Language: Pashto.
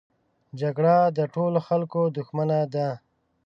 جګړه د ټولو خلکو دښمنه ده